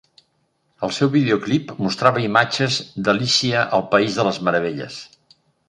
El seu videoclip mostrava imatges d'"Alícia al País de les Meravelles".